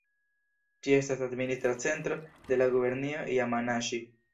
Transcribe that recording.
Ĝi estas administra centro de la gubernio Jamanaŝi.